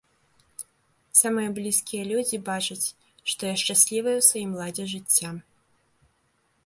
Самыя блізкія людзі бачаць, што я шчаслівая ў сваім ладзе жыцця.